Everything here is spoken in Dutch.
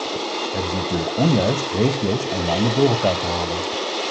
Het is natuurlijk onjuist regio's en landen door elkaar te halen.